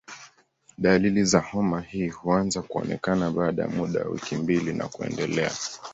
Dalili za homa hii huanza kuonekana baada ya muda wa wiki mbili na kuendelea.